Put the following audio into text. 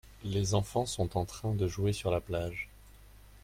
Les enfant sont en train de jouer sur la plage.